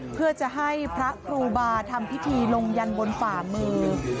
เพื่อจะให้พระครูบาทำพิธีลงยันบนฝ่ามือ